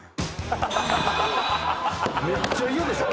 めっちゃ嫌でしょ？